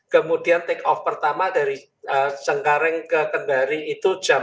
kemudian take off pertama dari cengkareng ke kendari itu jam empat